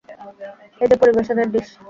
এই যে পরিবেশনের ডিস।